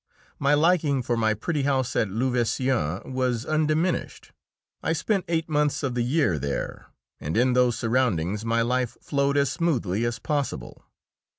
My liking for my pretty house at Louveciennes was undiminished. I spent eight months of the year there, and in those surroundings my life flowed as smoothly as possible.